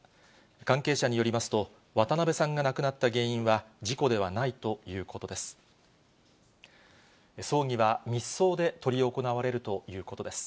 関係者によりますと、渡辺さんが亡くなった原因は、事故ではないということです。